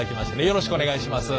よろしくお願いします。